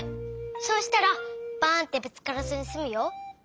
そうしたらバンってぶつからずにすむよ。